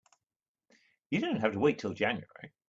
You don't have to wait till January.